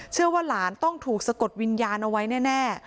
เชื่อว่าหลานต้องถูกสะกดวิญญาณเอาไว้แน่